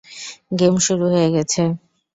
Game শুরু হয়ে গেছে।